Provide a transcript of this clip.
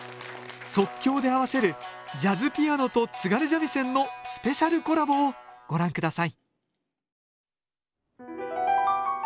即興で合わせるジャズピアノと津軽三味線のスペシャルコラボをご覧ください